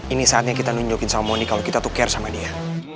ini saatnya kita nunjukin sama moni kalau kita tuh care sama dia